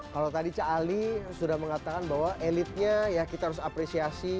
kalau tadi cak ali sudah mengatakan bahwa elitnya ya kita harus apresiasi